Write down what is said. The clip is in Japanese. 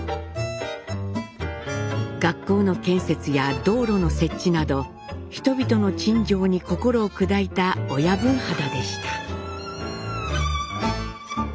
学校の建設や道路の設置など人々の陳情に心を砕いた親分肌でした。